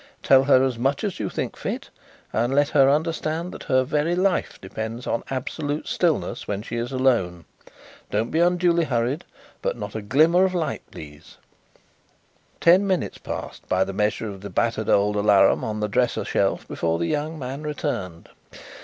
Tell her as much as you think fit and let her understand that her very life depends on absolute stillness when she is alone. Don't be unduly hurried, but not a glimmer of a light, please." Ten minutes passed by the measure of the battered old alarum on the dresser shelf before the young man returned.